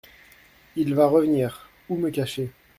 Il va revenir… où me cacher ?